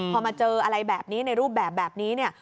พอมาเจออะไรแบบนี้ในรูปแบบนี้เนี่ย